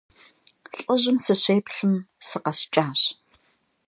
ЛӀыжьым сыщеплъым, сыкъэскӀащ.